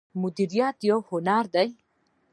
میریت یو هنر دی